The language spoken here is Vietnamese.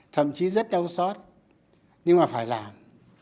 thậm chí rất đau xót nhưng mà phải làm